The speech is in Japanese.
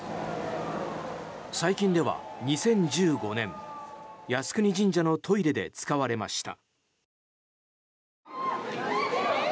最近では２０１５年靖国神社のトイレで使われました。